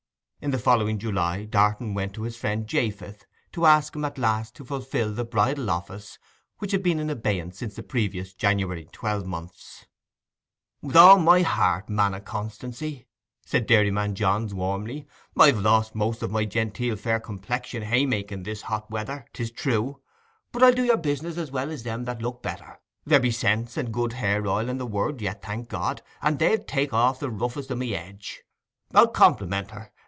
In the following July, Darton went to his friend Japheth to ask him at last to fulfil the bridal office which had been in abeyance since the previous January twelvemonths. 'With all my heart, man o' constancy!' said Dairyman Johns warmly. 'I've lost most of my genteel fair complexion haymaking this hot weather, 'tis true, but I'll do your business as well as them that look better. There be scents and good hair oil in the world yet, thank God, and they'll take off the roughest o' my edge. I'll compliment her.